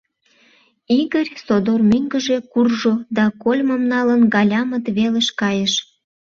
Игорь содор мӧҥгыжӧ куржо да, кольмым налын, Галямыт велыш кайыш.